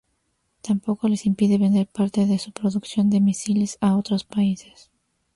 Tampoco les impide vender parte de su producción de misiles a otros países.